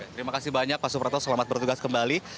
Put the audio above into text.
terima kasih banyak pak suprapto selamat bertugas kembali